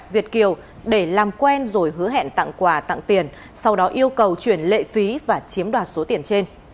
việt kiều để làm quen rồi hứa hẹn tặng quà tặng tiền sau đó yêu cầu chuyển lệ phí và chiếm đoạt số tiền trên